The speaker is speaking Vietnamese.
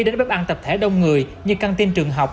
đến bếp ăn tập thể đông người như canteen trường học